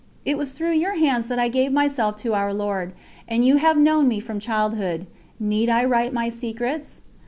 It was through your hands that I gave myself to Our Lord, and you have known me from childhood need I write my secrets?